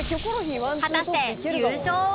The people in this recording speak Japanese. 果たして優勝は